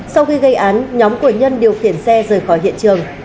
sau khi gây án nhóm của nhân điều khiển xe rời khỏi hiện trường